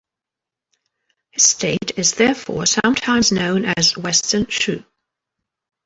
His state is therefore sometimes known as Western Shu.